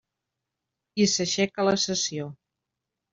I s'aixeca la sessió.